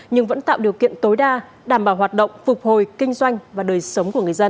nhưng vẫn tạo điều kiện tối đa đảm bảo hoạt động phục hồi kinh doanh và đời sống của người dân